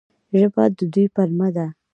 ژبه د دوی پلمه ده.